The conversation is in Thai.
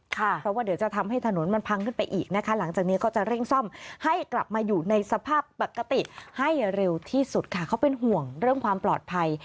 เพราะว่าเดี๋ยวจะทำให้ถนนมันพังขึ้นไปอีกนะคะหลังจากนี้ก็จะเร่งซ่อมให้กลับมาอยู่ในสภาพปกติให้เร็วที่สุดค่ะเขาเป็นห่วงเรื่องความปลอดภัย